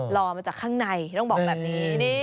รอมาจากข้างในต้องบอกแบบนี้